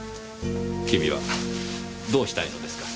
君はどうしたいのですか？